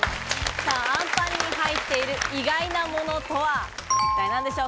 あんぱんに入っている意外なものとは、一体何でしょう？